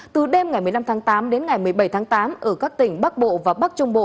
từ đêm ngày một mươi năm tháng tám đến ngày một mươi bảy tháng tám ở các tỉnh bắc bộ và bắc trung bộ